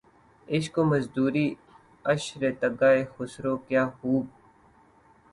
عشق و مزدوریِ عشر تگہِ خسرو‘ کیا خوب!